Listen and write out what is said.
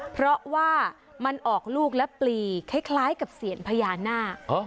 เพราะว่ามันออกลูกและปลีคล้ายกับเสียญพญานาค